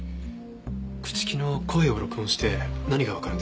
朽木の声を録音して何がわかるんですか？